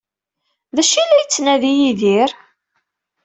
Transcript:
D acu ay la yettnadi Yidir?